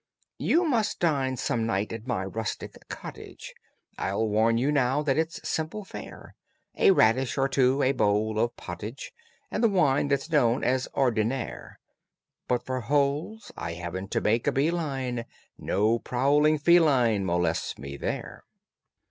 "You must dine some night at my rustic cottage; I'll warn you now that it's simple fare: A radish or two, a bowl of pottage, And the wine that's known as ordinaire, But for holes I haven't to make a bee line, No prowling feline Molests me there.